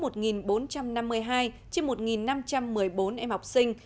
trên một năm trăm một mươi bốn em học sinh